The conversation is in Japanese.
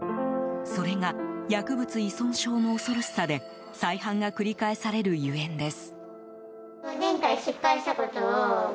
それが薬物依存症の恐ろしさで再犯が繰り返されるゆえんです。